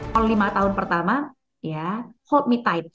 pada tahun pertama ya hold me tight